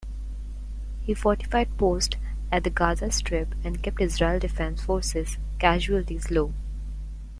He fortified posts at the Gaza Strip and kept Israel Defense Forces casualties low.